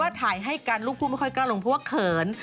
ว่าลูกผู้ไม่ค่อยก้าวลงเพราะว่าเขิน